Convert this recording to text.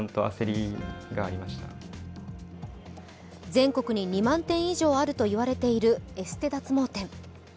全国に２万店以上あるといわれているエステ脱毛店。